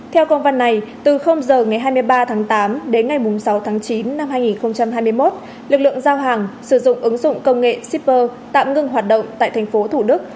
theo công văn này từ giờ ngày hai mươi ba tháng tám đến ngày sáu tháng chín năm hai nghìn hai mươi một lực lượng giao hàng sử dụng ứng dụng công nghệ shipper tạm ngưng hoạt động tại thành phố thủ đức